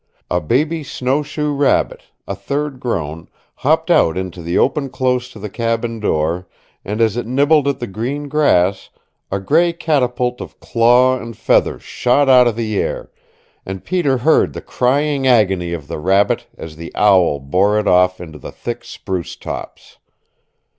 A baby snowshoe rabbit, a third grown, hopped out into the open close to the cabin door, and as it nibbled at the green grass, a gray catapult of claw and feathers shot out of the air, and Peter heard the crying agony of the rabbit as the owl bore it off into the thick spruce tops.